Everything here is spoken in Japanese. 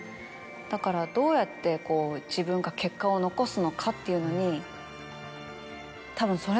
だからどうやって自分が結果を残すのかっていうのにたぶん。